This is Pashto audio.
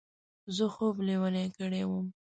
زه خوب لېونی کړی وم.